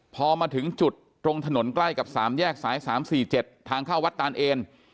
พอมาถึงจุดตรงถนนใกล้กับ๓แยกสาย๓๔๗ทางเข้าวัดตานเอน